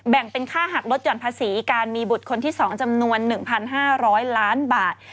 แบ่งเป็นค่าหักลดหย่อนภาษีการมีบุตรคนที่๒จำนวน๑๕๐๐ล้านบาท